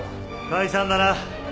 解散だな。